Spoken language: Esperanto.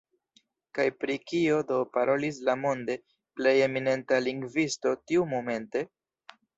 Kaj pri kio do parolis la monde plej eminenta lingvisto tiumomente?